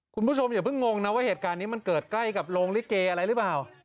คุณผู้ชมอย่าเพิ่งงงนะว่าเหตุการณ์นี้มันเกิดใกล้กับโรงลิเกอะไรหรือเปล่า